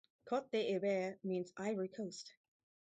Cote d'Ivoire means ivory coast.